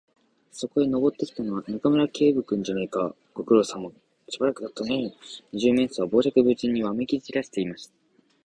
そこへ登ってきたのは、中村警部君じゃないか。ご苦労さま。しばらくだったねえ。二十面相は傍若無人にわめきちらしています。